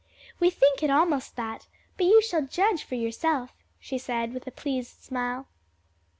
"We think it almost that, but you shall judge for yourself," she said, with a pleased smile.